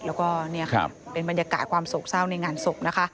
แล้วก็นี่ค่ะเป็นบรรยากาศความโศกเศร้าในงานศพนะคะ